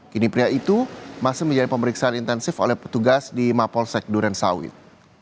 kini pria itu masih menjalani pemeriksaan intensif oleh petugas di mapolsek durensawit